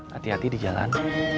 hati hati di jalan